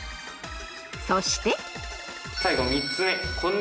そして。